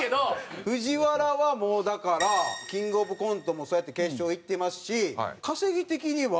ふぢわらはもうだからキングオブコントもそうやって決勝行ってますし稼ぎ的には。